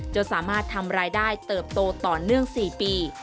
จนสามารถทำรายได้เติบโตต่อเนื่อง๔ปี